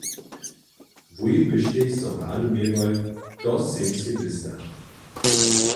Wój byštej so rady měłoj, to sym sej wěsta.